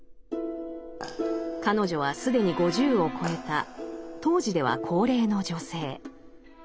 彼女は既に５０を超えた当時では高齢の女性。